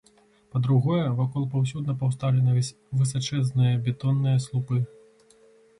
Па-другое, вакол паўсюдна пастаўленыя высачэзныя бетонныя слупы.